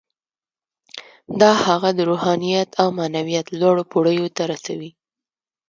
دا هغه د روحانیت او معنویت لوړو پوړیو ته رسوي